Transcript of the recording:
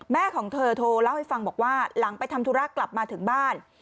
ของเธอโทรเล่าให้ฟังบอกว่าหลังไปทำธุระกลับมาถึงบ้าน